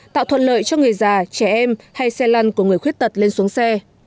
tạo thuận lợi cho người già trẻ em hay xe lăn của người khuyết tật lên xuống xe